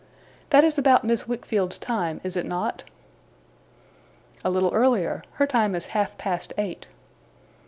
'That is about Miss Wickfield's time, is it not?' 'A little earlier. Her time is half past eight.